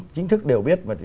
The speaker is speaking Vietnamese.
chính thức đều biết